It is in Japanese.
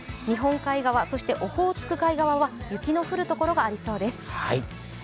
日本海側そしてオホーツク海側は雪の降る所がありそうです。